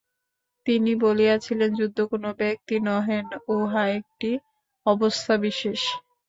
তিনি বলিয়াছিলেন বুদ্ধ কোন ব্যক্তি নহেন, উহা একটি অবস্থাবিশেষ।